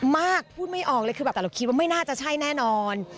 พูดไม่ออกเลยคือแบบแต่เราคิดว่าไม่น่าจะใช่แน่นอน